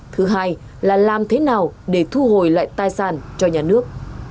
thứ hai là làm thế nào để thu hồi lại tài sản cho nhà nước